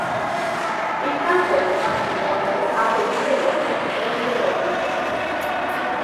Il canto era infatti un modo per "abbellire" il lavoro e renderlo meno faticoso.